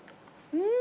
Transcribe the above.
うん。